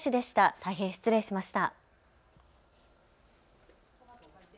大変失礼しました。